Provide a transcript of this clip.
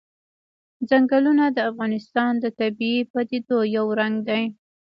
چنګلونه د افغانستان د طبیعي پدیدو یو رنګ دی.